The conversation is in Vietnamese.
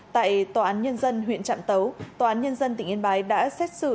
tại tòa án nhân dân huyện trạm tấu tòa án nhân dân tỉnh yên bái đã xét xử